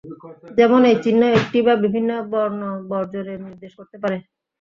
যেমন এই চিহ্ন একটি বা বিভিন্ন বর্ণ বর্জনের নির্দেশ করতে পারে।